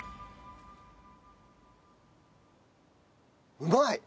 うまい！